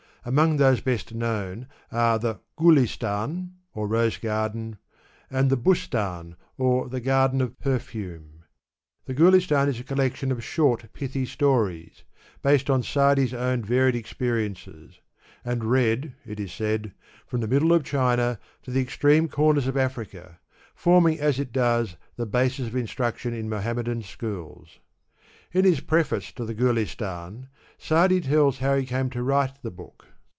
Among those best known are the G uli start ^ or Rose Garden, and the Bustan, or the Garden of Perfume. The GulUian is a collection of short pithy stories, based on Sa'di^s own varied experi ences, and read, it is said, from the middle of China to the extreme cornera of Africa, forming as it does the basis of instruction in Mohammedan schools. In his Preface to the Gulistan, Sa*di tells how he came to write the book.